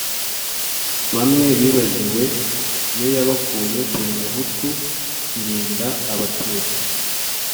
bamwe bibagiwe iyo yabakuye. parmehutu irinda abatutsi